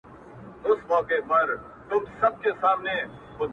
o موږه ستا د سترگو له پردو سره راوتـي يـو؛